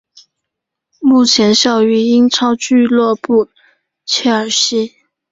目前效力于英超俱乐部切尔西。